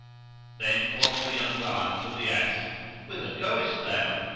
Then quoth the young lion to the ass, 'Whither goest thou?'